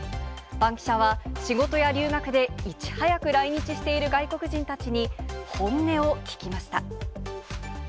バンキシャは、仕事や留学で、いち早く来日している外国人たちに本音を聞きました。